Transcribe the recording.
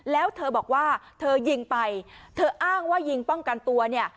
แล้วเธอบอกว่าเธอยิงไปเธออ้างว่ายิงป้องกันตัวเนี่ย